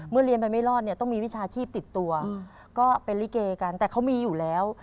เรียนไปไม่รอดเนี่ยต้องมีวิชาชีพติดตัวก็เป็นลิเกกันแต่เขามีอยู่แล้ว